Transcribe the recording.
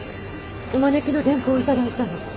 お招きの電報を頂いたの。